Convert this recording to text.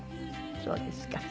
そうですか。